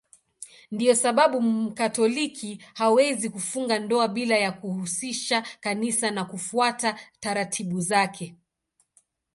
Ndiyo sababu Mkatoliki hawezi kufunga ndoa bila ya kuhusisha Kanisa na kufuata taratibu zake.